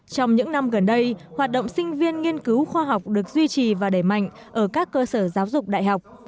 trong những năm gần đây hoạt động sinh viên nghiên cứu khoa học được duy trì và đẩy mạnh ở các cơ sở giáo dục đại học